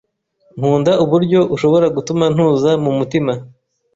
Nkunda uburyo ushobora gutuma ntuza mumutima